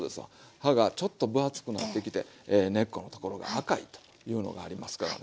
葉がちょっと分厚くなってきて根っこのところが赤いというのがありますからね。